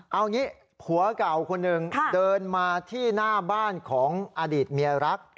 เอางี้ผัวเก่าคนหนึ่งเดินมาที่หน้าบ้านของอดีตเมียรัก